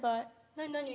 何何？